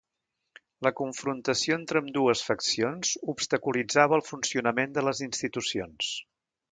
La confrontació entre ambdues faccions obstaculitzava el funcionament de les institucions.